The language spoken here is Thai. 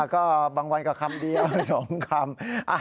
ก็บางวันก็คำเดียว๒คำ